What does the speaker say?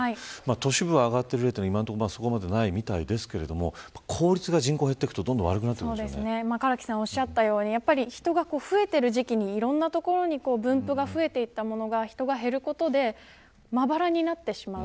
都市部が上がるのはそこまでないみたいですが効率が、人口が減っていくと人が増えている時期にいろんなところに分布が増えていったものが人が減ることでまばらになってしまう。